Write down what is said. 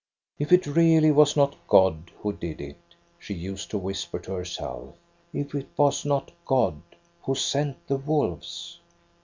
"If it really was not God who did it," she used to whisper to herself. " If it was not God, who sent the wolves